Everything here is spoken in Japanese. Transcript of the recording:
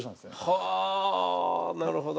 はあなるほど。